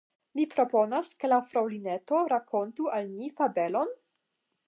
Mi proponas ke la Fraŭlineto rakontu al ni fabelon?